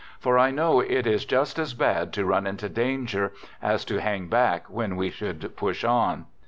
For I know it is just as bad to run into danger as to hang back when we should push on.